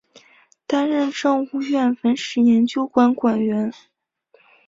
担任政务院文史研究馆馆员。